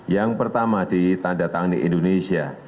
yang pertama ditandatangani indonesia